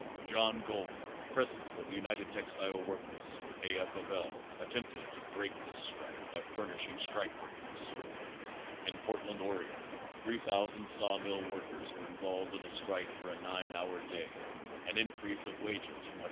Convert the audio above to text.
' John Golden, president of the United Textile Workers, A. F. of L., attempted to break this strike by furnishing strike breakers. In Portland, Oregon, 3,000 saw mill workers were involved in a strike for a nine hour day and increase of wages from $1.